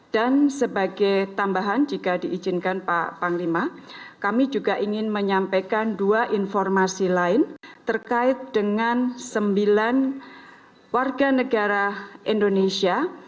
dan sebagai tambahan jika diizinkan pak panglima kami juga ingin menyampaikan dua informasi lain terkait dengan sembilan warga negara indonesia